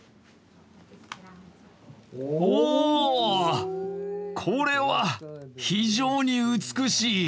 おおこれは非常に美しい！